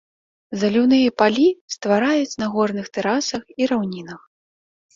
Заліўныя палі ствараюць на горных тэрасах і раўнінах.